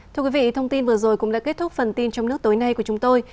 thưa quý vị thông tin vừa rồi cũng đã kết thúc phần tin trong nước tối nay của chúng tôi